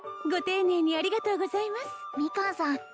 ご丁寧にありがとうございますミカンさん